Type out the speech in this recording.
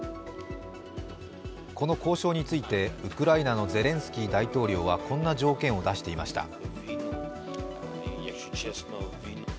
この交渉についてウクライナのゼレンスキー大統領はこんな条件を出していました。